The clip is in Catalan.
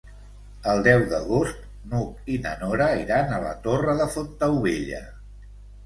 El deu d'agost n'Hug i na Nora iran a la Torre de Fontaubella.